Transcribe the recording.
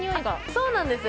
そうなんです。